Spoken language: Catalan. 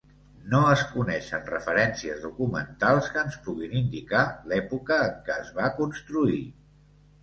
No es coneixen referències documentals que ens puguin indicar l'època en què es va construir.